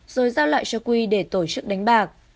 rồi giao lại cho quy để tổ chức đánh bạc